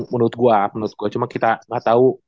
menurut gue menurut gue cuma kita gak tau